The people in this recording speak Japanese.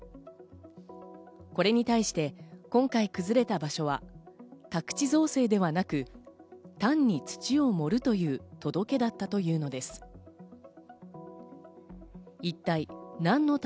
これに対して今回崩れた場所は宅地造成ではなく、たんに土を盛るという届けだったというのです。